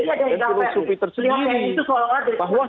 tentang tugas tugas keoperasi militer selain perang